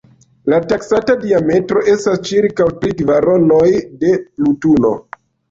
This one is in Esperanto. La taksata diametro estas ĉirkaŭ tri kvaronoj de Plutono.